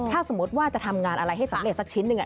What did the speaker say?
ถ้าสมมุติว่าจะทำงานอะไรให้สำเร็จสักชิ้นหนึ่ง